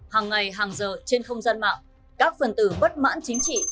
hàng ngày hàng giờ trên không gian mạng các phần tử bất mãn chính trị